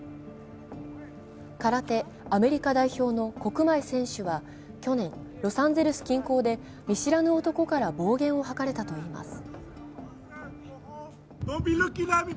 空手アメリカ代表の國米選手は去年、ロサンゼルス近郊で見知らぬ男から暴言を吐かれたといいます。